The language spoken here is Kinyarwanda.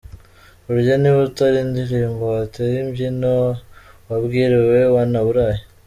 Urya niwe utera indirimbo watera imbyino wabwiriwe wanaburaye?.